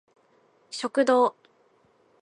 食堂